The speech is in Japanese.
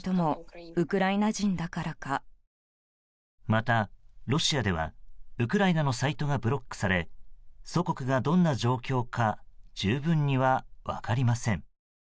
また、ロシアではウクライナのサイトがブロックされ祖国がどんな状況か十分には分かりません。